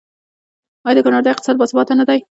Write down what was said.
آیا د کاناډا اقتصاد باثباته نه دی؟